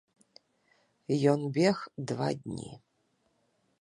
Ён бег два дні.